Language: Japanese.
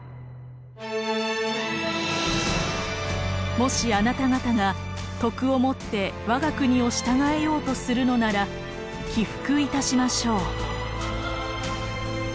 「もしあなた方が徳をもって我が国を従えようとするのなら帰服いたしましょう」。